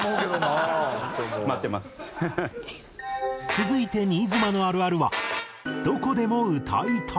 続いて新妻のあるあるは「どこでも歌いたい」。